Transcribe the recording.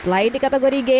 selain di kategori g